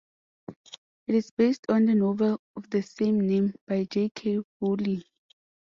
It is based on the novel of the same name by J. K. Rowling.